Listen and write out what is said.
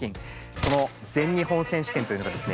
その全日本選手権というのがですね